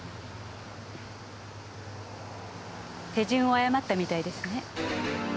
手順を誤ったみたいですね。